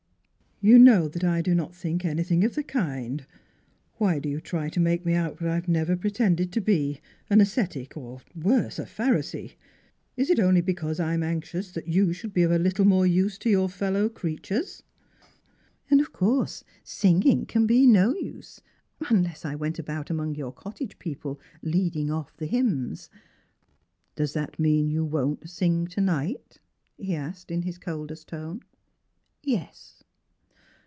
" You know that I do not think anything of the kind. Why do you try to make me out what I have never pretended to be — an ascetic, or worse, a Pharisee ? Is is only because I am anxious you should be of a little more use to your fellow creatures ?" "And of course singing can be no use, unless I went about among your cottage people leading off hymns." "Does that mean that you won't sing to night? " he asked in his coldest tone. "Yes."